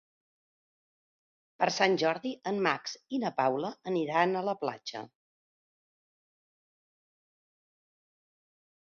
Per Sant Jordi en Max i na Paula aniran a la platja.